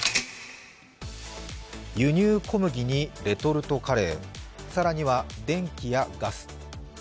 輸入小麦にレトルトカレー、更には電気やガス。